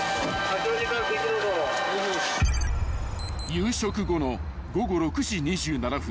［夕食後の午後６時２７分］